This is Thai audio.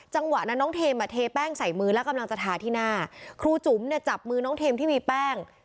จังหวะนั้นน้องเทมอ่ะเทแป้งใส่มือแล้วกำลังจะทาที่หน้าครูจุ๋มเนี่ยจับมือน้องเทมที่มีแป้ง